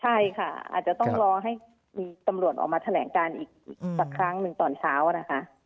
ใช่ค่ะอาจจะต้องรอให้มีตำรวจออกมาแถลงการอีกสักครั้งหนึ่งตอนเช้านะคะ